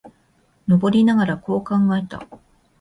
登りながら、こう考えた。